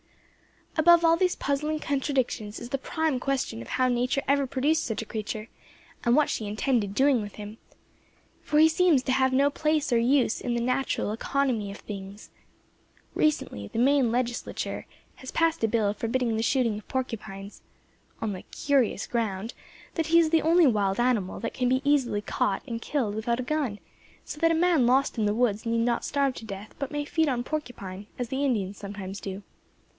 Above all these puzzling contradictions is the prime question of how Nature ever produced such a creature, and what she intended doing with him; for he seems to have no place nor use in the natural economy of things. Recently the Maine legislature has passed a bill forbidding the shooting of porcupines, on the curious ground that he is the only wild animal that can easily be caught and killed without a gun; so that a man lost in the woods need not starve to death but may feed on porcupine, as the Indians sometimes do.